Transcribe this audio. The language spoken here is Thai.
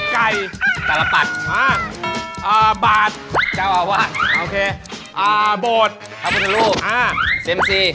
คาระปัดบาดคาระวาดโบดคาระบุธรูปเซ็มซี